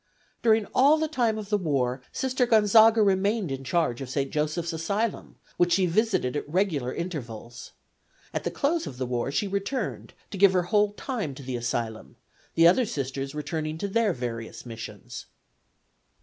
During all the time of the war Sister Gonzaga remained in charge of St. Joseph's Asylum, which she visited at regular intervals. At the close of the war she returned to give her whole time to the Asylum; the other Sisters returning to their various missions.